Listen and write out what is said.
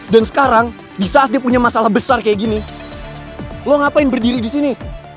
dan sekarang di saat dia punya masalah besar kayak gini lo ngapain berdiri di sini